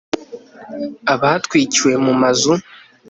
abatwikiwe mu mazu